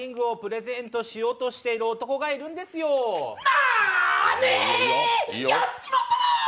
なに、やっちまったな！